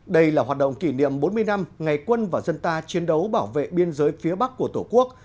đây là hoạt động kỷ niệm bốn mươi năm ngày quân và dân ta chiến đấu bảo vệ biên giới phía bắc của tổ quốc